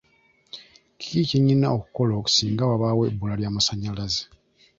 Kiki kye nnina okukola singa wabaawo ebbula ly'amasannyalaze?